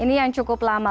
ini yang cukup lama